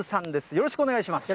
よろしくお願いします。